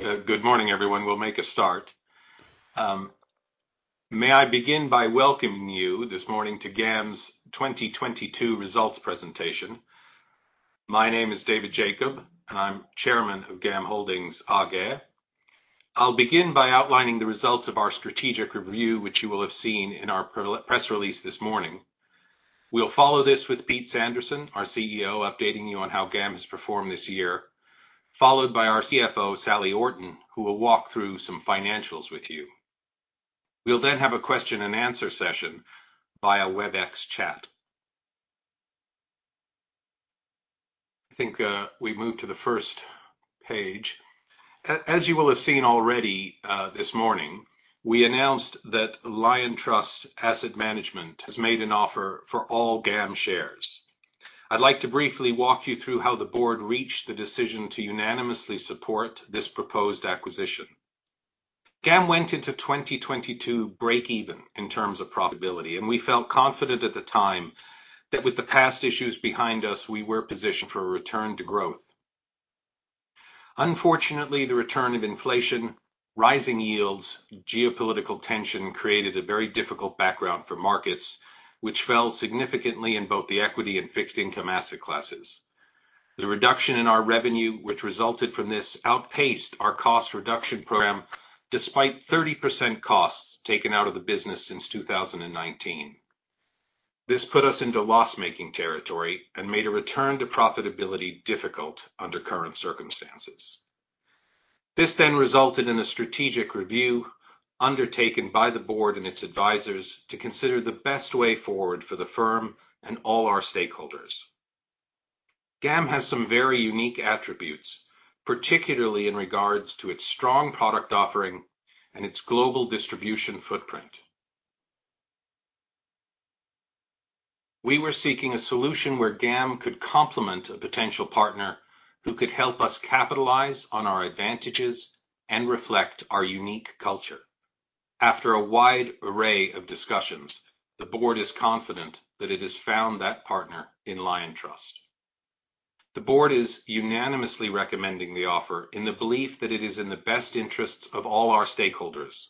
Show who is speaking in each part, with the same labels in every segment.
Speaker 1: Good morning, everyone. We'll make a start. May I begin by welcoming you this morning to GAM's 2022 results presentation. My name is David Jacob, I'm Chairman of GAM Holding AG. I'll begin by outlining the results of our strategic review, which you will have seen in our press release this morning. We'll follow this with Pete Sanderson, our CEO, updating you on how GAM has performed this year, followed by our CFO, Sally Orton, who will walk through some financials with you. We'll have a question and answer session via Webex chat. I think we move to the first page. As you will have seen already this morning, we announced that Liontrust Asset Management has made an offer for all GAM shares. I'd like to briefly walk you through how the board reached the decision to unanimously support this proposed acquisition. GAM went into 2022 breakeven in terms of profitability, and we felt confident at the time that with the past issues behind us, we were positioned for a return to growth. Unfortunately, the return of inflation, rising yields, geopolitical tension, created a very difficult background for markets, which fell significantly in both the equity and fixed income asset classes. The reduction in our revenue, which resulted from this, outpaced our cost reduction program despite 30% costs taken out of the business since 2019. This put us into loss-making territory and made a return to profitability difficult under current circumstances. This resulted in a strategic review undertaken by the board and its advisors to consider the best way forward for the firm and all our stakeholders. GAM has some very unique attributes, particularly in regards to its strong product offering and its global distribution footprint. We were seeking a solution where GAM could complement a potential partner who could help us capitalize on our advantages and reflect our unique culture. After a wide array of discussions, the board is confident that it has found that partner in Liontrust. The board is unanimously recommending the offer in the belief that it is in the best interest of all our stakeholders.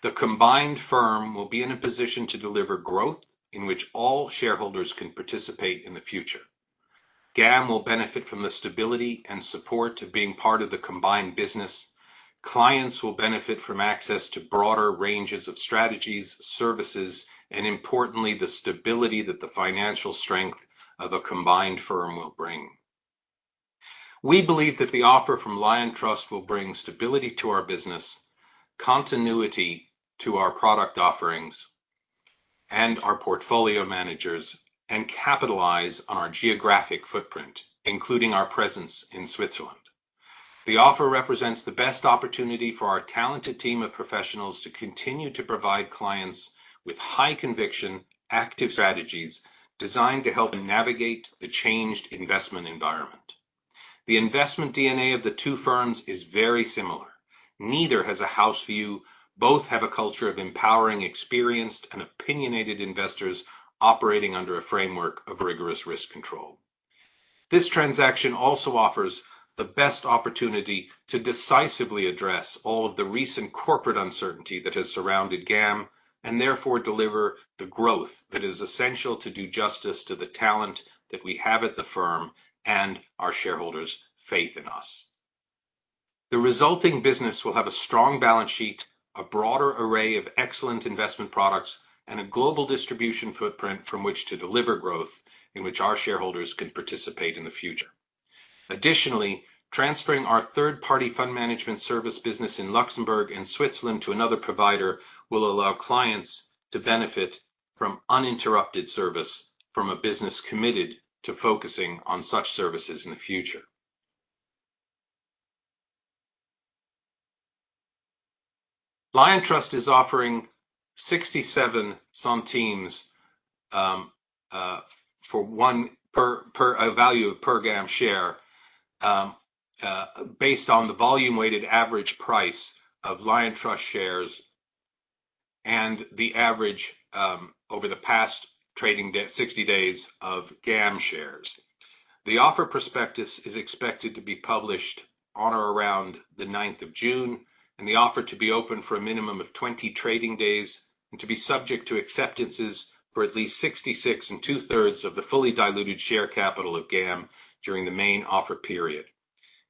Speaker 1: The combined firm will be in a position to deliver growth in which all shareholders can participate in the future. GAM will benefit from the stability and support of being part of the combined business. Clients will benefit from access to broader ranges of strategies, services, and importantly, the stability that the financial strength of a combined firm will bring. We believe that the offer from Liontrust will bring stability to our business, continuity to our product offerings and our portfolio managers, and capitalize on our geographic footprint, including our presence in Switzerland. The offer represents the best opportunity for our talented team of professionals to continue to provide clients with high conviction, active strategies designed to help them navigate the changed investment environment. The investment DNA of the two firms is very similar. Neither has a house view. Both have a culture of empowering, experienced, and opinionated investors operating under a framework of rigorous risk control. This transaction also offers the best opportunity to decisively address all of the recent corporate uncertainty that has surrounded GAM, and therefore deliver the growth that is essential to do justice to the talent that we have at the firm and our shareholders' faith in us. The resulting business will have a strong balance sheet, a broader array of excellent investment products, and a global distribution footprint from which to deliver growth in which our shareholders can participate in the future. Additionally, transferring our third-party Fund Management Services business in Luxembourg and Switzerland to another provider will allow clients to benefit from uninterrupted service from a business committed to focusing on such services in the future. Liontrust is offering 0.67 per a value of GAM share based on the volume weighted average price of Liontrust shares and the average over the past trading day, 60 days of GAM shares. The offer prospectus is expected to be published on or around the ninth of June, and the offer to be open for a minimum of 20 trading days and to be subject to acceptances for at least 66⅔% of the fully diluted share capital of GAM during the main offer period.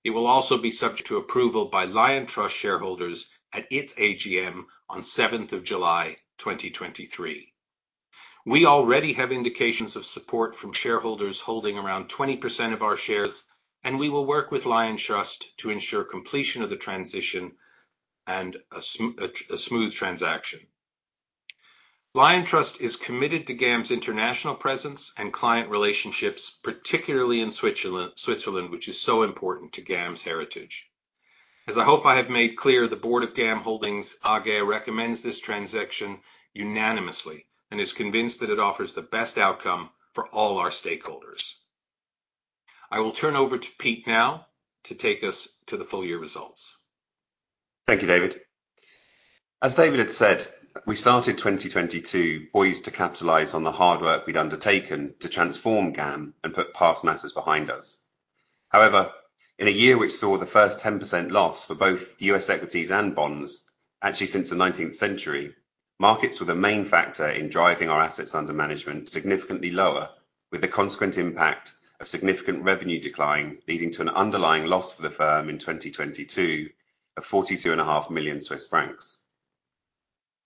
Speaker 1: It will also be subject to approval by Liontrust shareholders at its AGM on seventh of July, 2023. We already have indications of support from shareholders holding around 20% of our shares, and we will work with Liontrust to ensure completion of the transition and a smooth transaction. Liontrust is committed to GAM's international presence and client relationships, particularly in Switzerland, which is so important to GAM's heritage. As I hope I have made clear, the board of GAM Holding AG recommends this transaction unanimously and is convinced that it offers the best outcome for all our stakeholders. I will turn over to Peter now to take us to the full year results.
Speaker 2: Thank you, David. As David had said, we started 2022 poised to capitalize on the hard work we'd undertaken to transform GAM and put past matters behind us. However, in a year which saw the first 10% loss for both U.S. equities and bonds, actually since the 19th century, markets were the main factor in driving our assets under management significantly lower, with the consequent impact of significant revenue decline, leading to an underlying loss for the firm in 2022 of forty-two and a half million Swiss francs.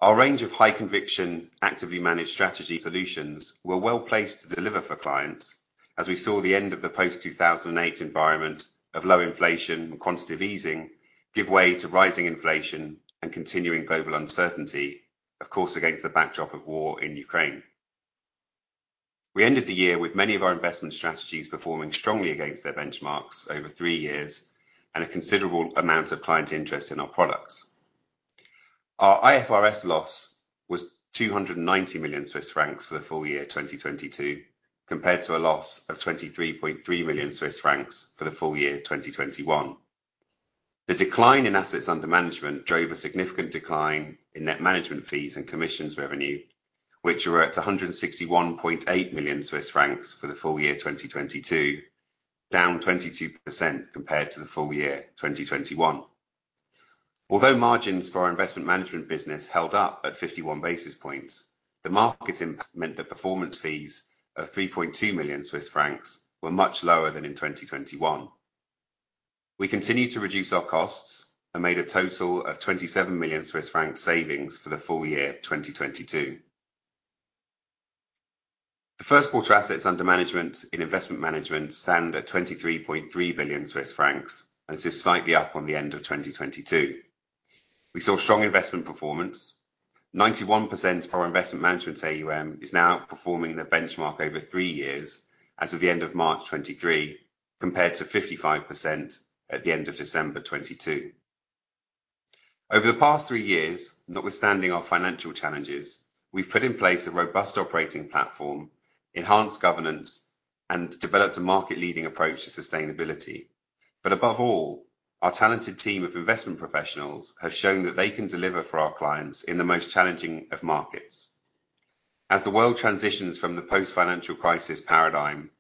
Speaker 2: Our range of high conviction, actively managed strategy solutions were well placed to deliver for clients as we saw the end of the post-2008 environment of low inflation and quantitative easing give way to rising inflation and continuing global uncertainty, of course, against the backdrop of war in Ukraine. We ended the year with many of our investment strategies performing strongly against their benchmarks over three years and a considerable amount of client interest in our products. Our IFRS loss was 290 million Swiss francs for the full year 2022, compared to a loss of 23.3 million Swiss francs for the full year 2021. The decline in assets under management drove a significant decline in net management fees and commissions revenue, which were at 161.8 million Swiss francs for the full year 2022, down 22% compared to the full year 2021. Although margins for our investment management business held up at 51 basis points, the market impact meant that performance fees of 3.2 million Swiss francs were much lower than in 2021. We continued to reduce our costs and made a total of 27 million Swiss francs savings for the full year 2022. The first quarter assets under management in investment management stand at 23.3 billion Swiss francs, and this is slightly up on the end of 2022. We saw strong investment performance. 91% for our investment management AUM is now outperforming the benchmark over three years as of the end of March 2023, compared to 55% at the end of December 2022. Over the past three years, notwithstanding our financial challenges, we've put in place a robust operating platform, enhanced governance, and developed a market-leading approach to sustainability. Above all, our talented team of investment professionals have shown that they can deliver for our clients in the most challenging of markets. As the world transitions from the post-financial crisis paradigm,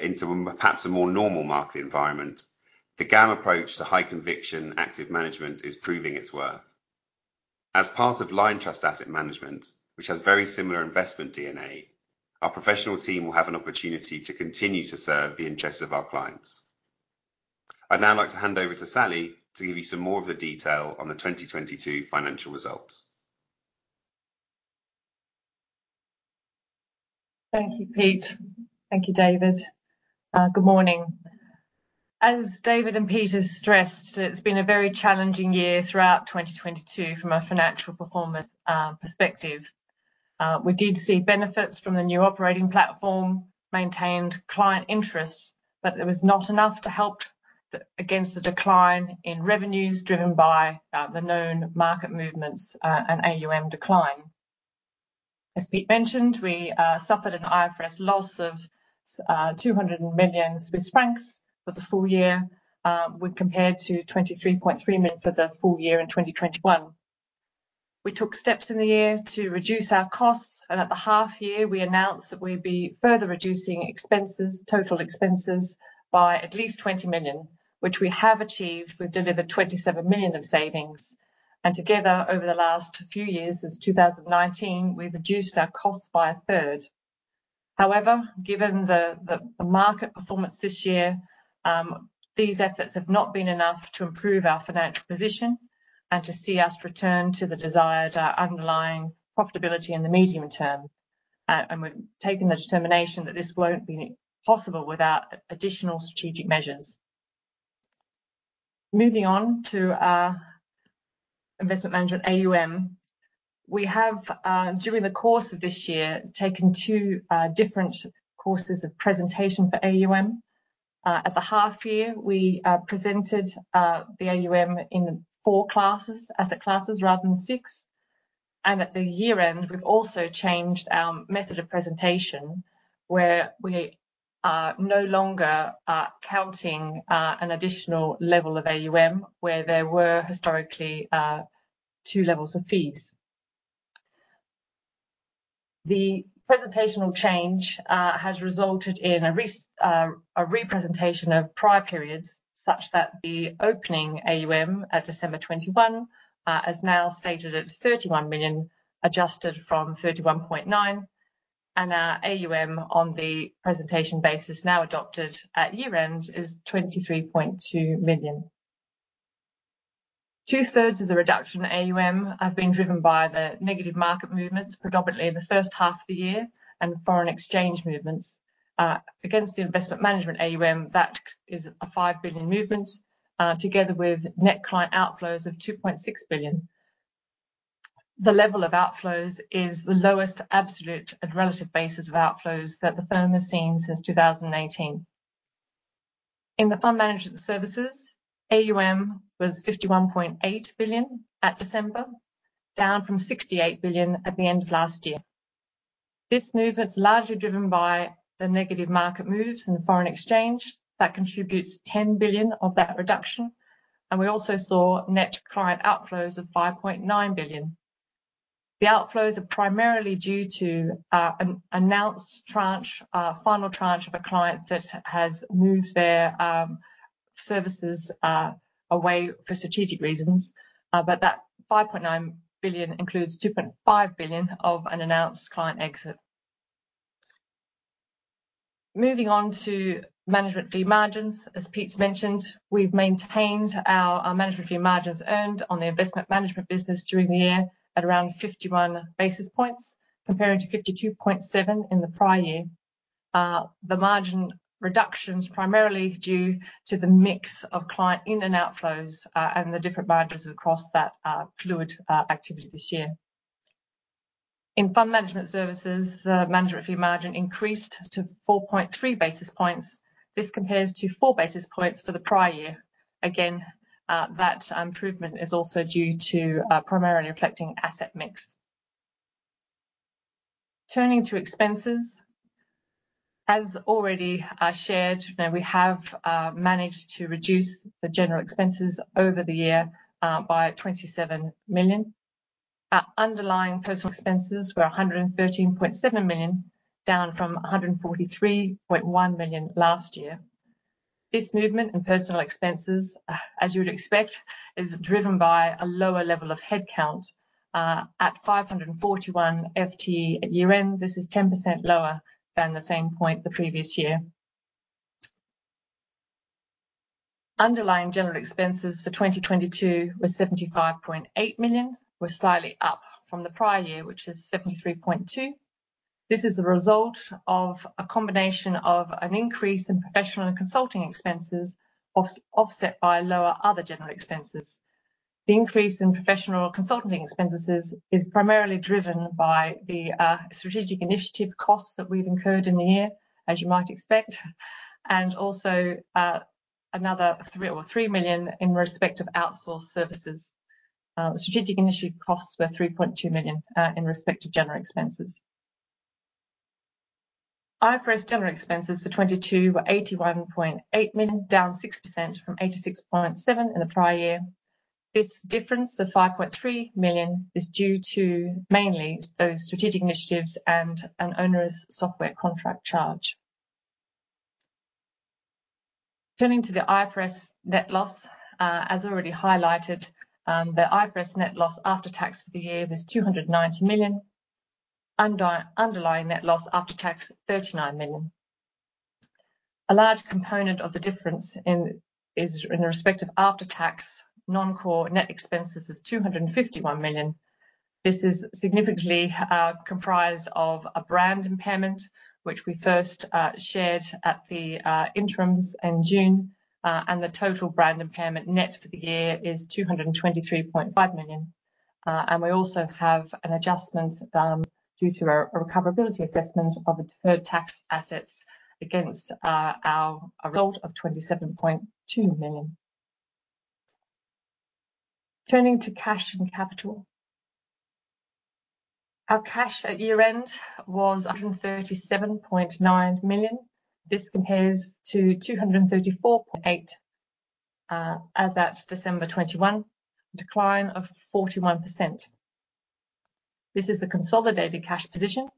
Speaker 2: into perhaps a more normal market environment, the GAM approach to high conviction active management is proving its worth. As part of Liontrust Asset Management, which has very similar investment DNA, our professional team will have an opportunity to continue to serve the interests of our clients. I'd now like to hand over to Sally to give you some more of the detail on the 2022 financial results.
Speaker 3: Thank you, Peter. Thank you, David. Good morning. As David and Peter stressed, it's been a very challenging year throughout 2022 from a financial perspective. We did see benefits from the new operating platform, maintained client interest, but it was not enough to help against the decline in revenues driven by the known market movements and AUM decline. As Pete mentioned, we suffered an IFRS loss of 200 million Swiss francs for the full year when compared to 23.3 million Swiss francs for the full year in 2021. We took steps in the year to reduce our costs. At the half year, we announced that we'd be further reducing expenses, total expenses by at least 20 million Swiss francs, which we have achieved. We've delivered 27 million of savings, and together, over the last few years, since 2019, we've reduced our costs by a third. However, given the market performance this year, these efforts have not been enough to improve our financial position and to see us return to the desired underlying profitability in the medium term. We've taken the determination that this won't be possible without additional strategic measures. Moving on to our investment management AUM. We have, during the course of this year, taken two different courses of presentation for AUM. At the half year, we presented the AUM in four classes, asset classes rather than six. At the year-end, we've also changed our method of presentation, where we are no longer counting an additional level of AUM, where there were historically two levels of fees. The presentational change has resulted in a representation of prior periods, such that the opening AUM at December 2021, as now stated at 31 million, adjusted from 31.9 million, and our AUM on the presentation basis now adopted at year-end is 23.2 million. Two-thirds of the reduction in AUM have been driven by the negative market movements, predominantly in the first half of the year and foreign exchange movements. Against the investment management AUM, that is a 5 billion movement, together with net client outflows of 2.6 billion. The level of outflows is the lowest absolute and relative basis of outflows that the firm has seen since 2018. In the Fund Management Services, AUM was 51.8 billion at December, down from 68 billion at the end of last year. This movement is largely driven by the negative market moves in the foreign exchange that contributes 10 billion of that reduction, and we also saw net client outflows of 5.9 billion. The outflows are primarily due to an announced tranche, final tranche of a client that has moved their services away for strategic reasons. That 5.9 billion includes 2.5 billion of unannounced client exit. Moving on to management fee margins. Pete's mentioned, we've maintained our management fee margins earned on the investment management business during the year at around 51 basis points, comparing to 52.7 in the prior year. The margin reduction's primarily due to the mix of client in and outflows, and the different margins across that fluid activity this year. In Fund Management Services, the management fee margin increased to 4.3 basis points. This compares to 4 basis points for the prior year. That improvement is also due to primarily reflecting asset mix. Turning to expenses. Already shared, you know, we have managed to reduce the general expenses over the year by 27 million. Our underlying personal expenses were 113.7 million, down from 143.1 million last year. This movement in personal expenses, as you would expect, is driven by a lower level of headcount, at 541 FTE at year-end. This is 10% lower than the same point the previous year. Underlying general expenses for 2022 were 75.8 million, slightly up from the prior year, which was 73.2 million. This is a result of a combination of an increase in professional and consulting expenses offset by lower other general expenses. The increase in professional consulting expenses is primarily driven by the strategic initiative costs that we've incurred in the year, as you might expect, and also, another 3 million in respect of outsourced services. The strategic initiative costs were 3.2 million in respect to general expenses. IFRS general expenses for 2022 were 81.8 million, down 6% from 86.7 million in the prior year. This difference of 5.3 million is due to mainly those strategic initiatives and an onerous software contract charge. Turning to the IFRS net loss. As already highlighted, the IFRS net loss after tax for the year was 290 million. Underlying net loss after tax, 39 million. A large component of the difference is in respect of after-tax non-core net expenses of 251 million. This is significantly comprised of a brand impairment, which we first shared at the interims in June. The total brand impairment net for the year is 223.5 million. We also have an adjustment due to a recoverability assessment of the deferred tax assets against our result of 27.2 million. Turning to cash and capital. Our cash at year-end was 137.9 million. This compares to 234.8 as at December 2021, a decline of 41%. This is the consolidated cash position,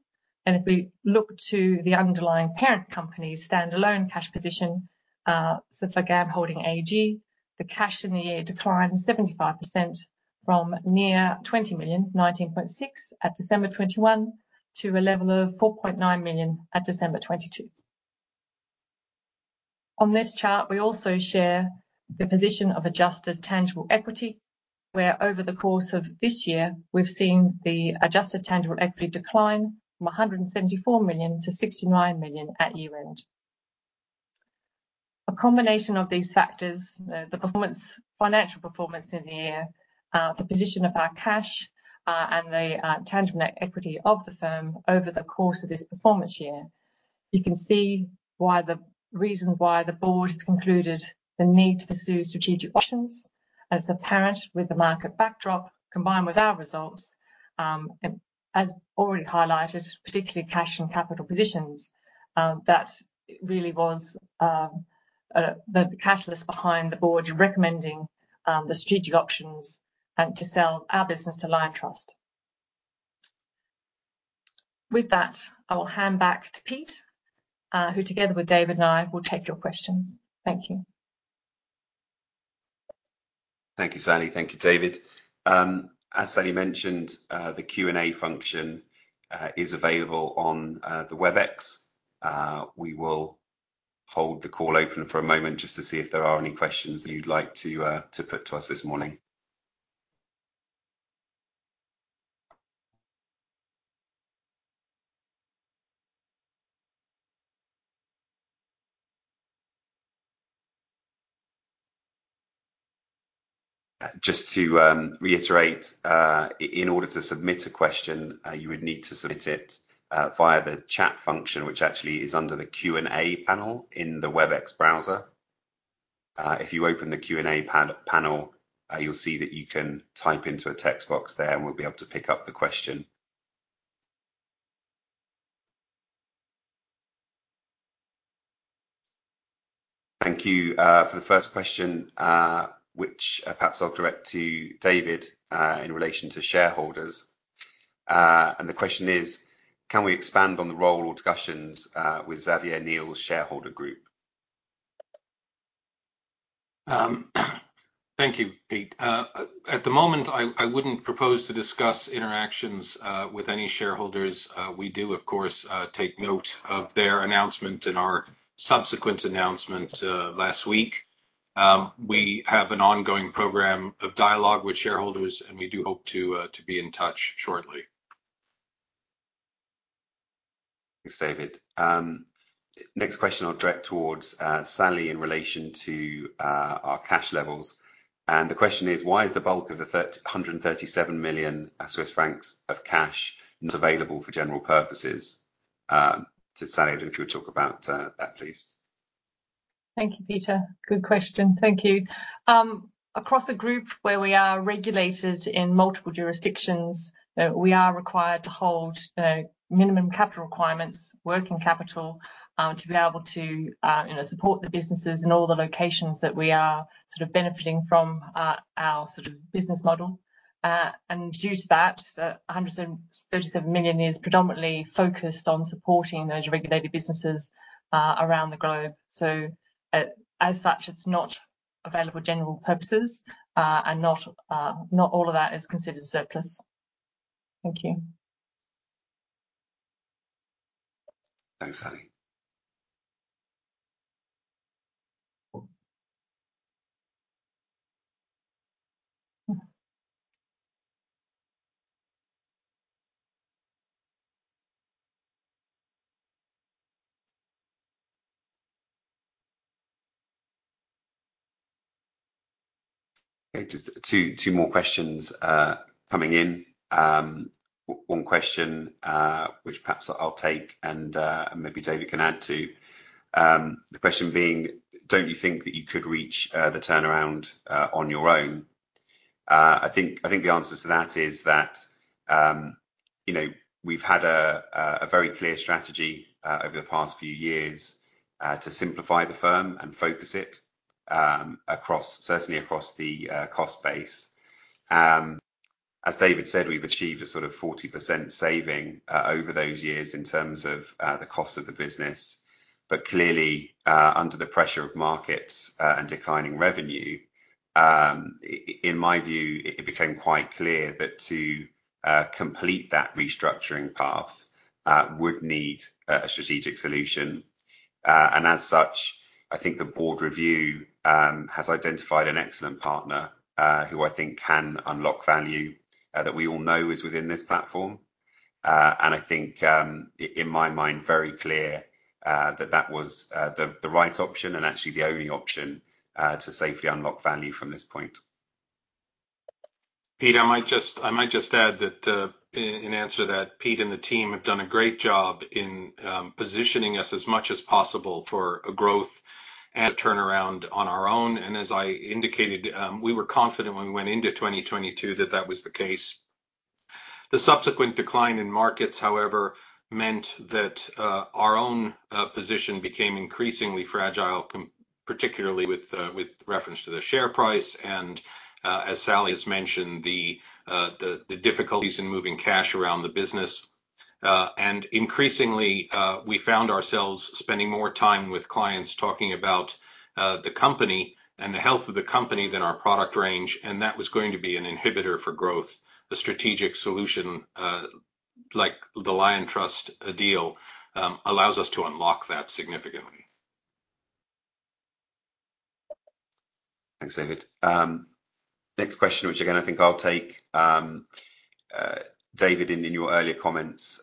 Speaker 3: and if we look to the underlying parent company's stand-alone cash position, so for GAM Holding AG, the cash in the year declined 75% from near 20 million, 19.6 at December 2021, to a level of 4.9 million at December 2022. On this chart, we also share the position of adjusted tangible equity, where over the course of this year, we've seen the adjusted tangible equity decline from 174 million to 69 million at year-end. A combination of these factors, the performance, financial performance in the year, the position of our cash, and the tangible net equity of the firm over the course of this performance year, you can see why the reasons why the board has concluded the need to pursue strategic options. It's apparent with the market backdrop, combined with our results, as already highlighted, particularly cash and capital positions, that really was the catalyst behind the board recommending the strategic options and to sell our business to Liontrust. With that, I will hand back to Pete, who, together with David and I, will take your questions. Thank you.
Speaker 2: Thank you, Sally. Thank you, David. As Sally mentioned, the Q&A function is available on the Webex. We will hold the call open for a moment just to see if there are any questions that you'd like to put to us this morning. Just to reiterate, in order to submit a question, you would need to submit it via the chat function, which actually is under the Q&A panel in the Webex browser. If you open the Q&A panel, you'll see that you can type into a text box there, and we'll be able to pick up the question. Thank you for the first question, which perhaps I'll direct to David, in relation to shareholders. The question is: can we expand on the role or discussions with Xavier Niel's shareholder group?
Speaker 1: Thank you, Peter. At the moment, I wouldn't propose to discuss interactions with any shareholders. We do, of course, take note of their announcement and our subsequent announcement last week. We have an ongoing program of dialogue with shareholders, and we do hope to be in touch shortly.
Speaker 2: Thanks, David. Next question I'll direct towards Sally in relation to our cash levels. The question is: why is the bulk of the 137 million Swiss francs of cash not available for general purposes? To Sally, if you would talk about that, please.
Speaker 3: Thank you, Peter. Good question. Thank you. Across the group where we are regulated in multiple jurisdictions, we are required to hold minimum capital requirements, working capital, to be able to, you know, support the businesses in all the locations that we are sort of benefiting from, our sort of business model. Due to that, 137 million is predominantly focused on supporting those regulated businesses around the globe. As such, it's not available for general purposes, and not all of that is considered surplus. Thank you.
Speaker 2: Thanks, Sally. Okay, just two more questions coming in. One question, which perhaps I'll take and maybe David can add to. The question being: don't you think that you could reach the turnaround on your own? I think the answer to that is that, you know, we've had a very clear strategy over the past few years to simplify the firm and focus it across, certainly across the cost base. As David said, we've achieved a sort of 40% saving over those years in terms of the cost of the business. Clearly, under the pressure of markets and declining revenue, in my view, it became quite clear that to complete that restructuring path would need a strategic solution. As such, I think the board review has identified an excellent partner, who I think can unlock value, that we all know is within this platform. I think, in my mind, very clear, that that was the right option and actually the only option, to safely unlock value from this point.
Speaker 1: Pete, I might just add that in answer to that, Peter and the team have done a great job in positioning us as much as possible for a growth and a turnaround on our own. As I indicated, we were confident when we went into 2022 that that was the case. The subsequent decline in markets, however, meant that our own position became increasingly fragile particularly with reference to the share price and as Sally has mentioned, the difficulties in moving cash around the business. Increasingly, we found ourselves spending more time with clients talking about the company and the health of the company than our product range, and that was going to be an inhibitor for growth. The strategic solution, like the Liontrust deal, allows us to unlock that significantly.
Speaker 2: Thanks, David. Next question, which again I think I'll take. David, in your earlier comments,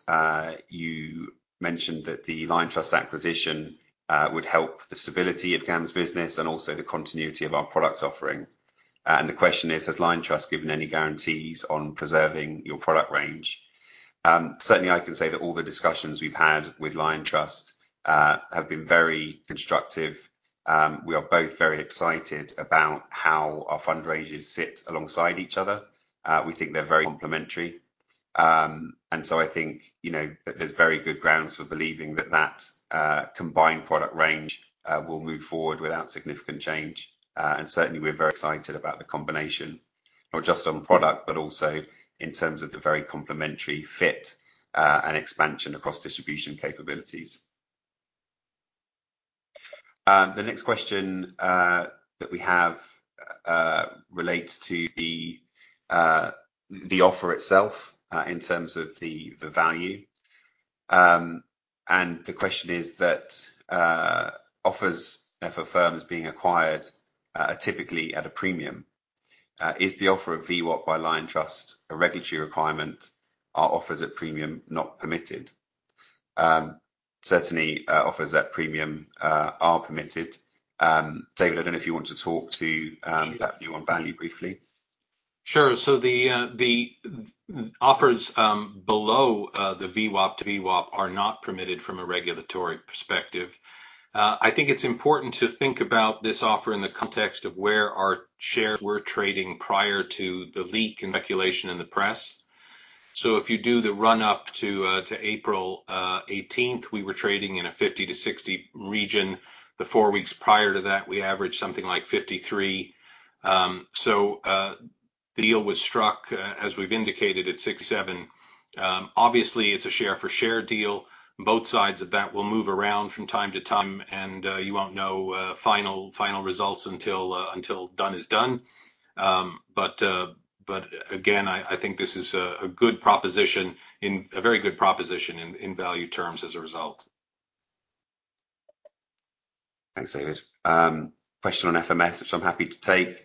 Speaker 2: you mentioned that the Liontrust acquisition would help the stability of GAM's business and also the continuity of our product offering. The question is: has Liontrust given any guarantees on preserving your product range? Certainly I can say that all the discussions we've had with Liontrust have been very constructive. We are both very excited about how our fund ranges sit alongside each other. We think they're very complementary. I think, you know, that there's very good grounds for believing that that combined product range will move forward without significant change. Certainly we're very excited about the combination, not just on product, but also in terms of the very complementary fit and expansion across distribution capabilities. The next question that we have relates to the offer itself in terms of the value. The question is that offers for firms being acquired are typically at a premium. Is the offer of VWAP by Liontrust a regulatory requirement? Are offers at premium not permitted? Certainly, offers at premium are permitted. David, I don't know if you want to talk to that view on value briefly.
Speaker 1: Sure. The offers below the VWAP to VWAP are not permitted from a regulatory perspective. I think it's important to think about this offer in the context of where our shares were trading prior to the leak and speculation in the press. If you do the run-up to April 18th, we were trading in a 50-60 region. The four weeks prior to that, we averaged something like 53. The deal was struck as we've indicated, at 67. Obviously, it's a share for share deal. Both sides of that will move around from time to time, and you won't know final results until done is done. Again, I think this is a good proposition and a very good proposition in value terms as a result.
Speaker 2: Thanks, David. question on FMS, which I'm happy to take.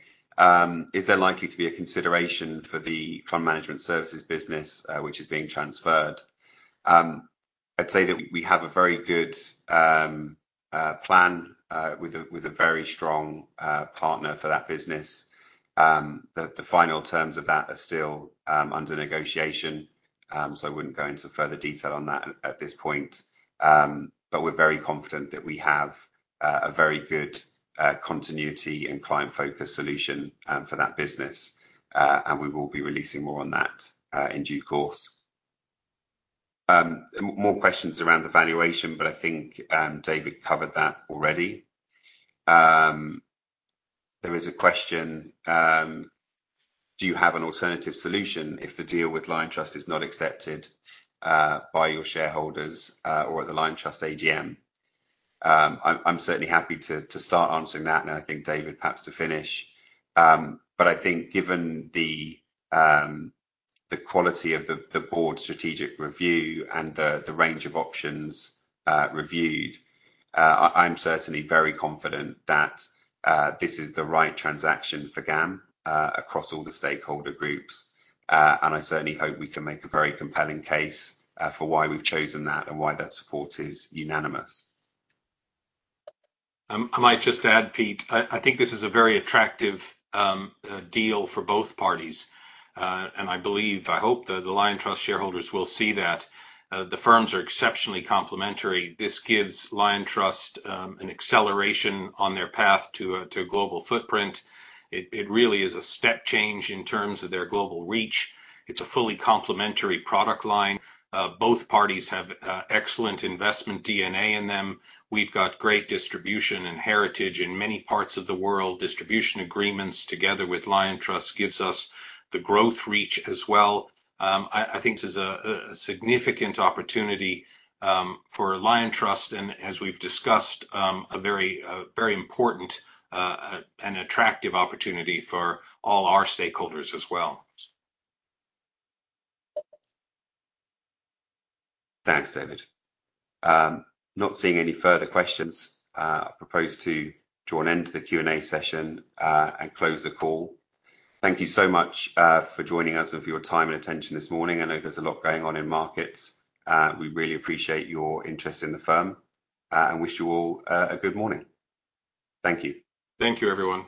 Speaker 2: Is there likely to be a consideration for the Fund Management Services business, which is being transferred? I'd say that we have a very good plan with a very strong partner for that business. The final terms of that are still under negotiation, so I wouldn't go into further detail on that at this point. We're very confident that we have a very good continuity and client focus solution for that business. We will be releasing more on that in due course. More questions around the valuation, I think David covered that already. There is a question, do you have an alternative solution if the deal with Liontrust is not accepted by your shareholders or the Liontrust AGM? I'm certainly happy to start answering that, and I think David perhaps to finish. I think given the quality of the board strategic review and the range of options reviewed, I'm certainly very confident that this is the right transaction for GAM across all the stakeholder groups. I certainly hope we can make a very compelling case for why we've chosen that and why that support is unanimous.
Speaker 1: I might just add, Pete, I think this is a very attractive deal for both parties. I believe, I hope that the Liontrust shareholders will see that the firms are exceptionally complementary. This gives Liontrust an acceleration on their path to a global footprint. It really is a step change in terms of their global reach. It's a fully complementary product line. Both parties have excellent investment DNA in them. We've got great distribution and heritage in many parts of the world. Distribution agreements together with Liontrust gives us the growth reach as well. I think this is a significant opportunity for Liontrust, and as we've discussed, a very important and attractive opportunity for all our stakeholders as well.
Speaker 2: Thanks, David. Not seeing any further questions, I propose to draw an end to the Q&A session, and close the call. Thank you so much for joining us and for your time and attention this morning. I know there's a lot going on in markets. We really appreciate your interest in the firm, and wish you all a good morning. Thank you. Thank you, everyone.